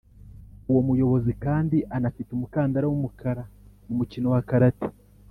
uwo muyobozi kandi anafite umukandara w’umukara mu mukino wa karate